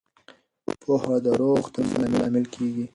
پوهه د روغ تصمیم لامل کېږي.